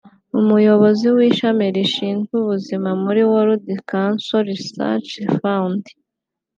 Umuyobozi w’ishami rishinzwe ubuzima muri World Cancer Research Fund